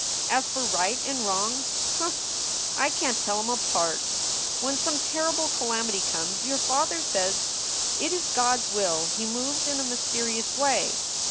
As for right and wrong humph! I can t tell em apart. When some terrible calamity comes, your father says, It is God s will; he moves in a mysterious way!